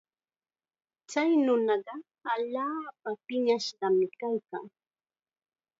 Chay nunaqa allaapa piñashqam kaykan.